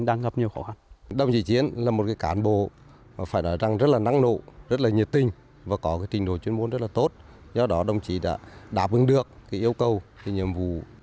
đồng chí chiến là một cán bộ rất năng nộ rất nhiệt tình và có tình độ chuyên môn rất tốt do đó đồng chí đã đáp ứng được yêu cầu nhiệm vụ